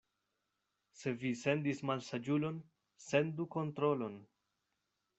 Se vi sendis malsaĝulon, sendu kontrolon.